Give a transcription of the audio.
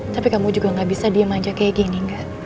tapi kamu juga gak bisa diam aja kayak gini